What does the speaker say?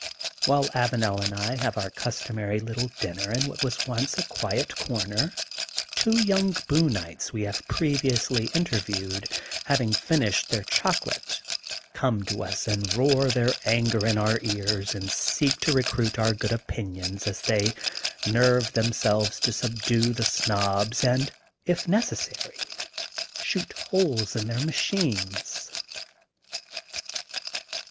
While Avanel and I have our customary little dinner in what was once a quiet comer, two young Booneites we have previously interviewed, having finished their chocolate, come to us and roar their anger again in our ears and seek to recruit our good opinions, as they nerve themselves to subdue the Snobs and i£ necessary shoot holes in their machines.